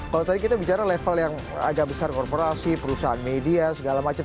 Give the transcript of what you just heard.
kalau tadi kita bicara level yang agak besar korporasi perusahaan media segala macam